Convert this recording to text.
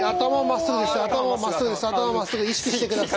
まっすぐ意識してください。